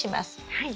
はい。